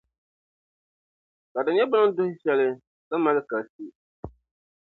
Ka di nyɛ bɛ ni duhi shɛli, ka mali kasi.